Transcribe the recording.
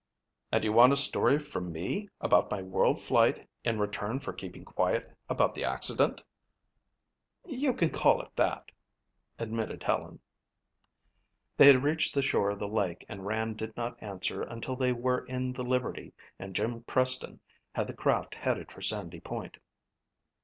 "And you want a story from me about my world flight in return for keeping quiet about the accident." "You can call it that," admitted Helen. They had reached the shore of the lake and Rand did not answer until they were in the Liberty and Jim Preston had the craft headed for Sandy Point.